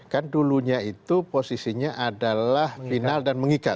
kan dulunya itu posisinya adalah final dan mengikat